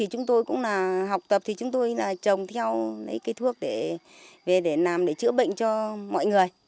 chúng tôi cũng là học tập thì chúng tôi là trồng theo cây thuốc để làm để chữa bệnh cho mọi người